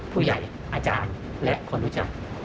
ผู้ใหญ่อาจารย์และคนรู้จัก